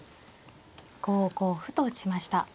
５五歩と打ちました。